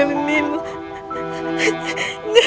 aku cinta banget